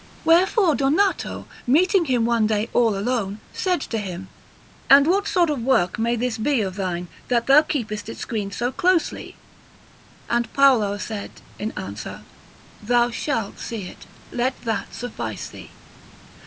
Wherefore Donato, meeting him one day all alone, said to him: "And what sort of work may this be of thine, that thou keepest it screened so closely?" And Paolo said in answer: "Thou shalt see it. Let that suffice thee."